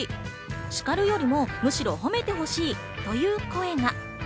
叱るよりもむしろ褒めてほしいという声が。